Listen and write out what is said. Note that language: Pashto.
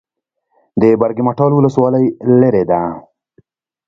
د برګ مټال ولسوالۍ لیرې ده